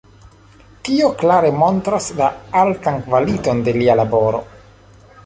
Tio klare montras la altan kvaliton de lia laboro.